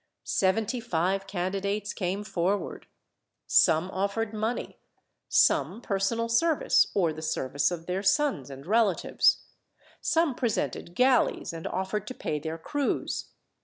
Seventy five candidates came forward. Some offered money, some personal service or the service of their sons and relatives; some presented galleys and offered to pay their crews.